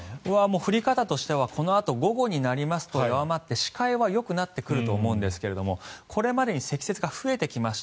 降り方としてはこのあと午後になりますと弱まって視界はよくなってくると思うんですがこれまでに積雪が増えてきました。